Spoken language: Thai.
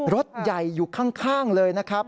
รถใหญ่อยู่ข้างเลยนะครับ